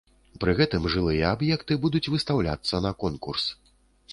Пры гэтым жылыя аб'екты будуць выстаўляцца на конкурс.